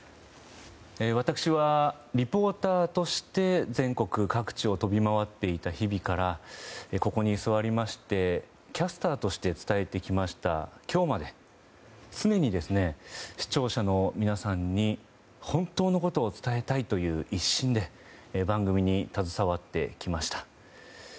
私はリポーターとして全国各地を飛び回っていた日々からここに座りましてキャスターとして伝えてきました今日まで、常に視聴者の皆さんに本当のことを伝えたいという一心で番組に携わってきました。